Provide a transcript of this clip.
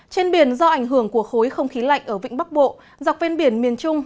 trên biển do ảnh hưởng của khối không khí lạnh ở vịnh bắc bộ dọc ven biển miền trung